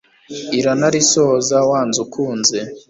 iranarisohoza wanze ukunze